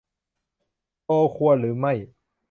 โพล ควรหรือไม่